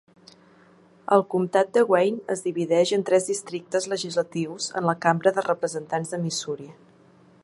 El comtat de Wayne es divideix en tres districtes legislatius en la Cambra de Representants de Missouri.